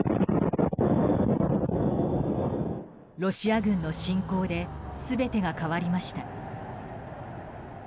ロシア軍の侵攻で全てが変わりました。